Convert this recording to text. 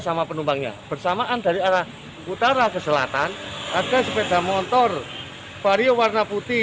sama penumpangnya bersamaan dari arah utara ke selatan ada sepeda motor vario warna putih